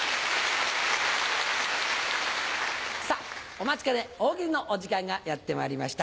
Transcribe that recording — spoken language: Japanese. お待ちかね大喜利のお時間がやってまいりました。